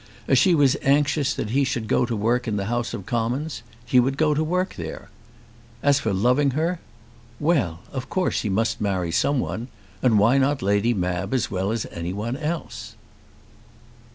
As she was anxious that he should go to work in the House of Commons he would go to work there. As for loving her! Well; of course he must marry someone, and why not Lady Mab as well as any one else?